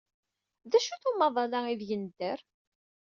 D acu-t umaḍal-a aydeg nedder?